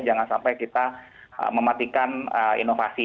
jangan sampai kita mematikan inovasi